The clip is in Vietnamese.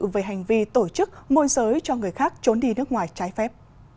về hành vi tổ chức môi giới cho người khác trốn đi nước ngoài trái phép